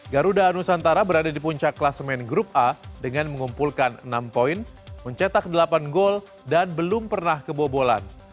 garuda nusantara berada di puncak kelas main grup a dengan mengumpulkan enam poin mencetak delapan gol dan belum pernah kebobolan